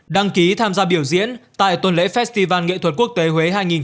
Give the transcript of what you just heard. đăng ký tham gia biểu diễn tại tuần lễ festival nghệ thuật quốc tế huế hai nghìn một mươi chín